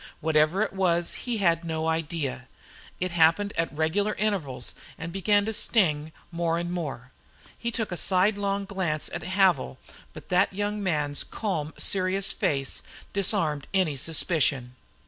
Whatever it was he had no idea. It came at regular intervals and began to sting more and more. He took a sidelong glance at Havil, but that young man's calm, serious face disarmed any suspicion.